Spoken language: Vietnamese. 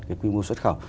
cái quy mô xuất khẩu